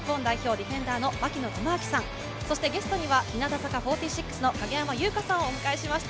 ディフェンダーの槙野智章さん、そしてゲストには日向坂４６の影山優佳さんをお迎えしました。